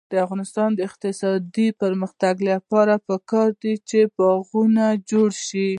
د افغانستان د اقتصادي پرمختګ لپاره پکار ده چې باغونه جوړ شي.